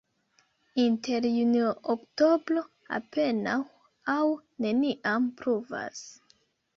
Inter junio-oktobro apenaŭ aŭ neniam pluvas.